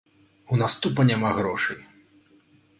У нас тупа няма грошай.